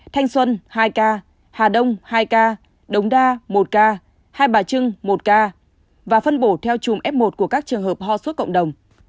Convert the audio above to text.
thanh xuân hai ca hà đông hai ca đống đa một ca hai bà trưng một ca và phân bổ theo chùm f một của các trường hợp ho suốt cộng đồng